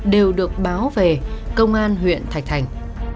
đều được báo về công an huyện thạch thành